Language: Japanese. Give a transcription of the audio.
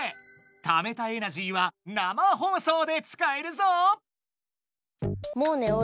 ためたエナジーは生放送でつかえるぞ！